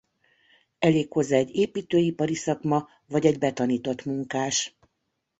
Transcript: Elég hozzá egy építőipari szakma vagy egy betanított munkás.